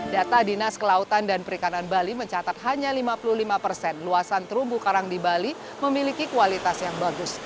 data dinas kelautan dan perikanan bali mencatat hanya lima puluh lima persen luasan terumbu karang di bali memiliki kualitas yang bagus